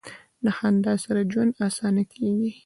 د خندا سره ژوند اسانه کیږي.